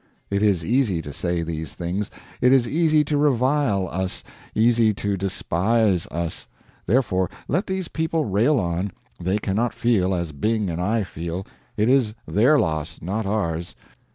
It is easy to say these things; it is easy to revile us, easy to despise us; therefore, let these people rail on; they cannot feel as Byng and I feel it is their loss, not ours.